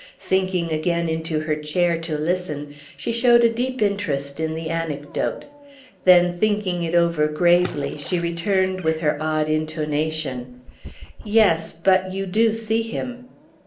Sinking again into her chair to listen she showed a deep interest in the anecdote. Then thinking it over gravely she returned with her odd intonation: "Yes, but you do see him!"